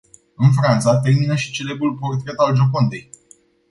În Franța termină și celebrul portret al Giocondei.